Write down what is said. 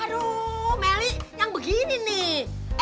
aduh melly yang begini nih